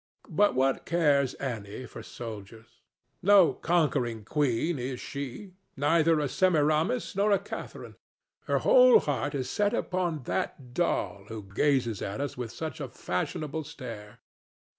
But what cares Annie for soldiers? No conquering queen is she—neither a Semiramis nor a Catharine; her whole heart is set upon that doll who gazes at us with such a fashionable stare.